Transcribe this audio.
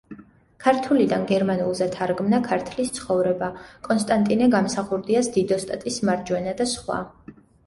ქართულიდან გერმანულზე თარგმნა „ქართლის ცხოვრება“, კონსტანტინე გამსახურდიას „დიდოსტატის მარჯვენა“ და სხვა.